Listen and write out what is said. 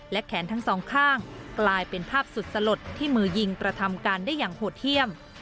และแขนทั้งสองข้างกลายเป็นภาพสุดสลดที่มือยิงกระทำการได้อย่างโหดเยี่ยม